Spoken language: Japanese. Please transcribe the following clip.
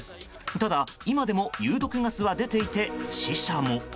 ただ、今でも有毒ガスは出ていて死者も。